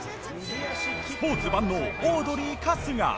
スポーツ万能オードリー春日。